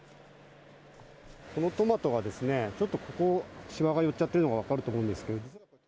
このトマトが、ちょっとここ、しわが寄っちゃってるのが分かると思うんですけど。